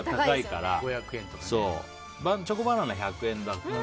でもチョコバナナは１００円だから。